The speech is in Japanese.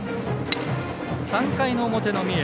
３回の表の三重。